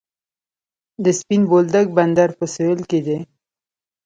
د سپین بولدک بندر په سویل کې دی